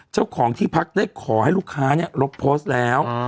เจ้าของที่พักได้ขอให้ลูกค้าลบโพสต์แล้ว